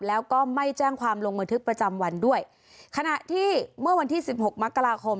แล้วก็ไม่แจ้งความลงบันทึกประจำวันด้วยขณะที่เมื่อวันที่สิบหกมกราคม